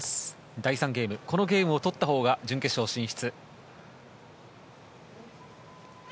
第３ゲームこのゲームを取ったほうが準決勝進出。